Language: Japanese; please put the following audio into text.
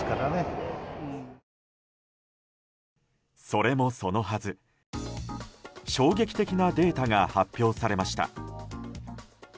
それもそのはず、衝撃的なデータが発表されました。